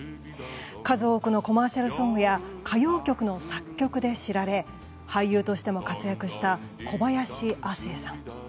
数多くのコマーシャルソングや歌謡曲の作曲で知られ俳優としても活躍した小林亜星さん。